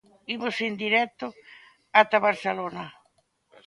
Imos en directo ata Barcelona.